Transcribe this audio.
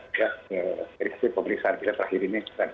jadi hasil pemeriksaan kita terakhir ini